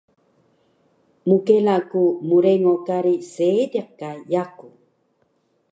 Mkela ku mrengo kari Seediq ka yaku